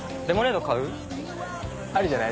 ありじゃない？